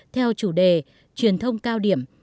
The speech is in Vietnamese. theo chủ đề truyền thông cao điểm